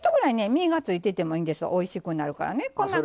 身がついててもいいんですおいしくなるからね。